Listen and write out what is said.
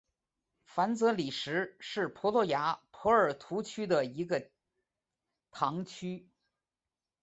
凡泽里什是葡萄牙波尔图区的一个堂区。